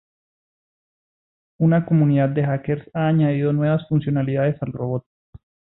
Una comunidad de hackers ha añadido nuevas funcionalidades al robot.